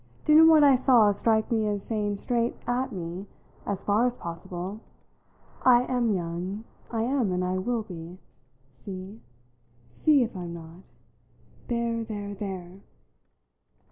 Didn't what I saw strike me as saying straight at me, as far as possible, "I am young I am and I will be; see, see if I'm not; there, there, there!"